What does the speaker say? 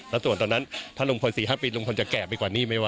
แล้วตรวจตอนนั้นถ้าลุงพล๔๕ปีลุงพลจะแก่ไปกว่านี้ไหมวะ